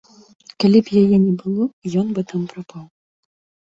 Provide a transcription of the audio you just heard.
Калі б яе не было, ён бы там прапаў.